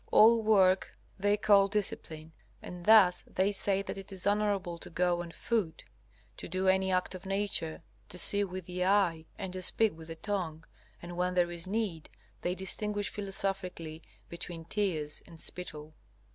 All work they call discipline, and thus they say that it is honorable to go on foot, to do any act of nature, to see with the eye, and to speak with the tongue; and when there is need, they distinguish philosophically between tears and spittle.